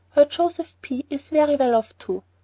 Her Joseph P. is very well off, too.